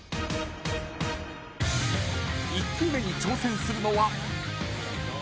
［１球目に挑戦するのは］